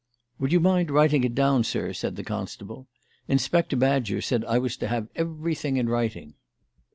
"Would you mind writing it down, sir?" said the constable. "Inspector Badger said I was to have everything in writing."